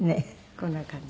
こんな感じ。